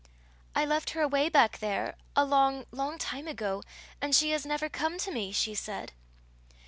"I left her away back there, a long, long time ago, and she has never come to me," she said.